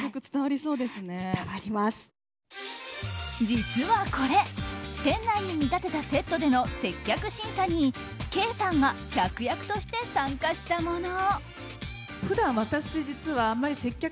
実はこれ、店内に見立てたセットでの接客審査にケイさんが客役として参加したもの。